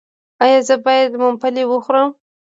ایا زه باید ممپلی وخورم؟